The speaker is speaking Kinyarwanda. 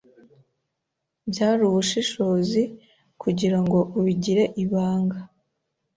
Byari ubushishozi kugirango ubigire ibanga.